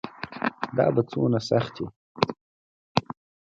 دا به څومره سخت وي.